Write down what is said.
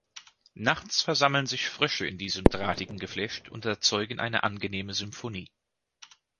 Nachts versammeln sich Frösche in diesem drahtigen Geflecht und erzeugen eine angenehme Symphonie.